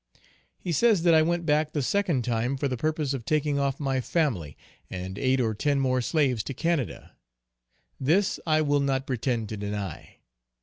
He says that I went back the second time for the purpose of taking off my family, and eight or ten more slaves to Canada. This I will not pretend to deny.